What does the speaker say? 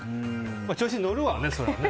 調子に乗るわね、それは。